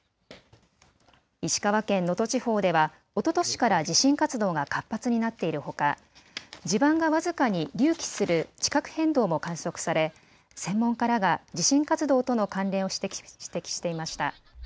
石川県能登地方ではおととしから地震活動が活発になっているほか地盤が僅かに隆起する地殻変動も観測され専門家らが地震活動との関連を指摘していました。